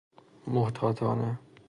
محتاطانه